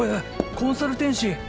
コンサル天使！